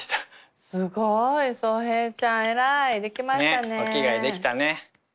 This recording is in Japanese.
ねっお着替えできたね。